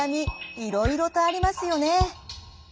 いろいろとありますよね。